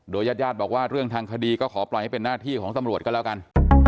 ญาติญาติบอกว่าเรื่องทางคดีก็ขอปล่อยให้เป็นหน้าที่ของตำรวจก็แล้วกัน